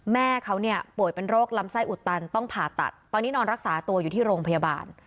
แม่เขาเนี่ยป่วยเป็นโรคลำไส้อุดตันต้องผ่าตัดตอนนี้นอนรักษาตัวอยู่ที่โรงพยาบาล